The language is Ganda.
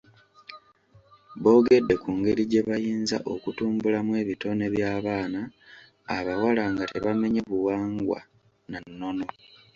Boogedde ku ngeri gye bayinza okutumbulamu ebitone by'abaana abawala nga tebamenye buwangwa na nnono.